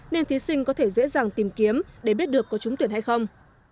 nên thí sinh có thể dễ dàng tìm kiếm để biết được có trúng tuyển hay không